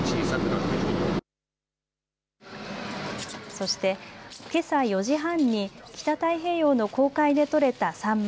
そして、けさ４時半に北太平洋の公海で取れたサンマ